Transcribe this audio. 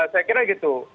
saya kira gitu